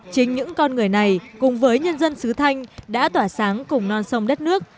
chính những con người này cùng với nhân dân sứ thanh đã tỏa sáng cùng non sông đất nước